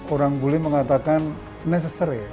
orang bule mengatakan necessary